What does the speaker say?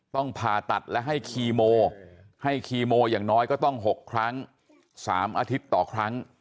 ผ่าตัดและให้คีโมให้คีโมอย่างน้อยก็ต้อง๖ครั้ง๓อาทิตย์ต่อครั้ง